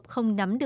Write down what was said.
bố mẹ em ở đây